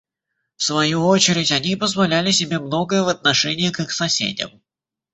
В свою очередь они позволяли себе многое в отношении к их соседям.